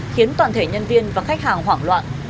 khiến toàn thể nhân viên và khách hàng hoảng loạn